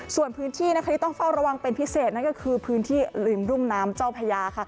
ส่วนพื้นที่ที่ต้องเฝ้าระวังเป็นพิเศษนั่นก็คือพื้นที่ริมรุ่มน้ำเจ้าพญา